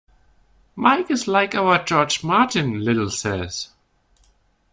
"Mike is like our George Martin," Little says.